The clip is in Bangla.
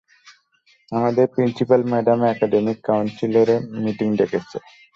আমাদের প্রিন্সিপাল ম্যাডাম একাডেমিক কাউন্সিলের মিটিং ডেকেছেন।